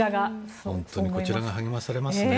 本当にこちらが励まされますね。